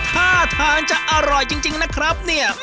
ถ้าทานจะอร่อยจริงนะครับ